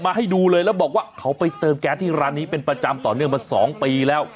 ให้ดูเลยแล้วบอกว่าเขาไปเติมแก๊สที่ร้านนี้เป็นประจำต่อเนื่องมา๒ปีแล้ว